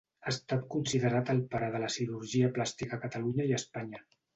Ha estat considerat el pare de la cirurgia plàstica a Catalunya i a Espanya.